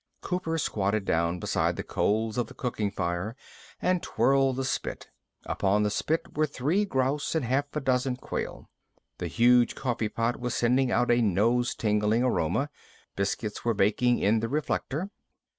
Cooper squatted down beside the coals of the cooking fire and twirled the spit. Upon the spit were three grouse and half a dozen quail. The huge coffee pot was sending out a nose tingling aroma. Biscuits were baking in the reflector.